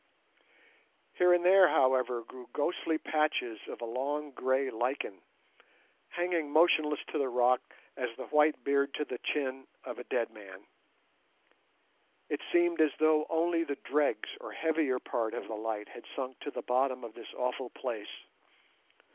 Here and there, however, grew ghostly patches of a long grey lichen, hanging motionless to the rock as the white beard to the chin of a dead man. It seemed as though only the dregs or heavier part of the light had sunk to the bottom of this awful place.